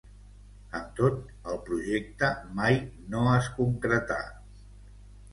Amb tot el projecte mai no es concretà.